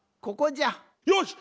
よし！